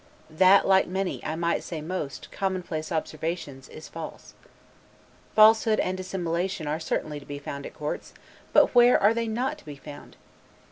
That, like many, I might say most, commonplace observations, is false. Falsehood and dissimulation are certainly to be found at courts; but where are they not to be found?